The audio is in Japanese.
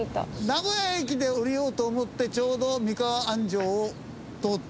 名古屋駅で降りようと思ってちょうど三河安城を通った。